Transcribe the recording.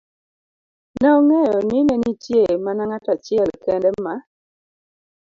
ne ong'eyo ni ne nitie mana ng'at achiel kende ma